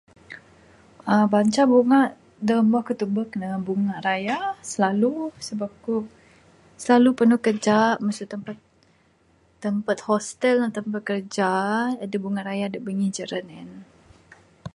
Aa..banca bungak da mbuh ku tubuk ne, bunya raya, slalu. Sebab kuk slalu penu keja, masu tempat, tempat hostel ngan tempat kerja. Jadi bungak raya da bingih jaran en.